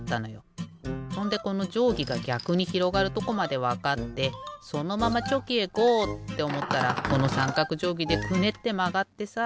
ほんでこのじょうぎがぎゃくにひろがるとこまでわかってそのままチョキへゴー！っておもったらこのさんかくじょうぎでクネッてまがってさ。